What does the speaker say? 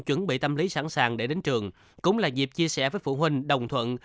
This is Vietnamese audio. chuẩn bị tâm lý sẵn sàng để đến trường cũng là dịp chia sẻ với phụ huynh đồng thuận